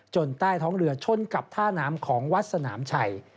ใต้ท้องเรือชนกับท่าน้ำของวัดสนามชัย